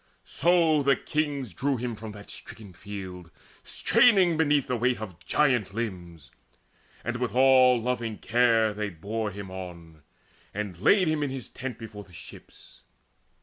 So the kings drew him from that stricken field Straining beneath the weight of giant limbs, And with all loving care they bore him on, And laid him in his tent before the ships.